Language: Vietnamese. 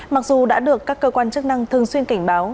mặc dù đã được các cơ quan chức năng thường xuyên cảnh báo